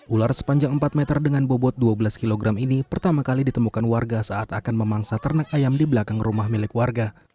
ular sepanjang empat meter dengan bobot dua belas kg ini pertama kali ditemukan warga saat akan memangsa ternak ayam di belakang rumah milik warga